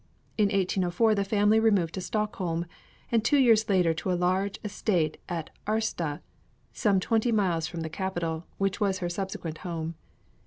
In 1804 the family removed to Stockholm, and two years later to a large estate at Årsta, some twenty miles from the capital, which was her subsequent home.